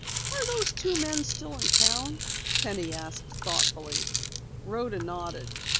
"Are those two men still in town?" Penny asked thoughtfully. Rhoda nodded.